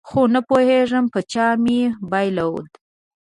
خو نپوهېږم په چا مې بایلود